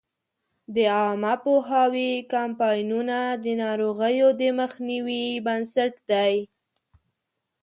د عامه پوهاوي کمپاینونه د ناروغیو د مخنیوي بنسټ دی.